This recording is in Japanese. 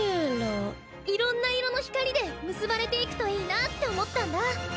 いろんな色の光で結ばれていくといいなあって思ったんだ。